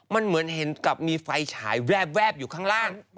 มันเหมือนเห็นกับมีไฟฉายแวบอยู่ข้างล่าง